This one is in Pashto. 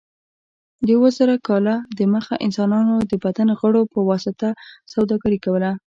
د اوه زره کاله دمخه انسانانو د بدن غړو په واسطه سوداګري کوله.